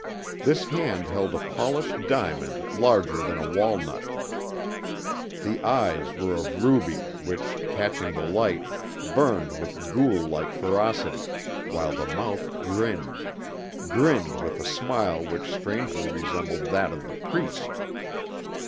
This hand held a polished diamond larger than a walnut. The eyes were of ruby which, catching the light, burned with ghoul like ferocity, while the mouth grinned, grinned with a smile which strangely resembled that of the Priest.